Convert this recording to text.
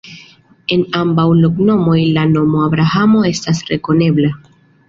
En ambaŭ loknomoj la nomo Abrahamo estas rekonebla.